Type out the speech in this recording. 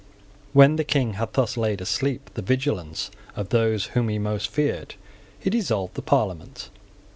When the King had thus laid asleep the vigilance of those whom he most feared, he dissolved the Parliament.